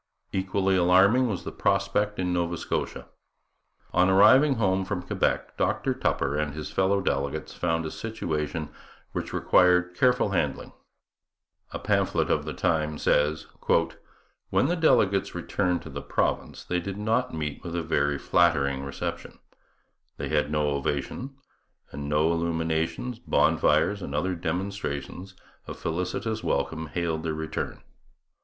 Equally alarming was the prospect in Nova Scotia. On arriving home from Quebec, Dr Tupper and his fellow delegates found a situation which required careful handling. 'When the delegates returned to the Province,' says a pamphlet of the time, 'they did not meet with a very flattering reception. They had no ovation; and no illuminations, bonfires, and other demonstrations of felicitous welcome hailed their return.